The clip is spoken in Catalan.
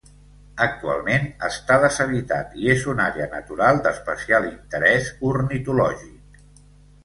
Actualment està deshabitat i és una àrea natural d'especial interès ornitològic.